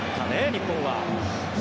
日本は。